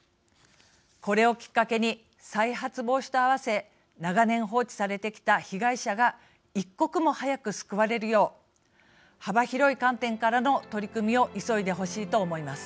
これをきっかけに再発防止と併せ長年放置されてきた被害者が一刻も早く救われるよう幅広い観点からの取り組みを急いでほしいと思います。